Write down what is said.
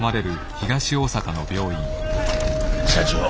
社長